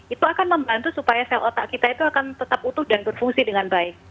itu akan membantu supaya sel otak kita itu akan tetap utuh dan berfungsi dengan baik